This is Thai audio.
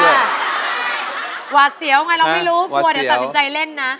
หวาดเสียวไงเราไม่รู้กลัวเดี๋ยวตัดสินใจเล่นนะ